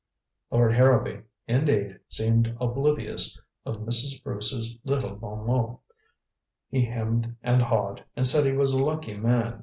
Lord Harrowby, indeed, seemed oblivious of Mrs. Bruce's little bon mot. He hemmed and hawed, and said he was a lucky man.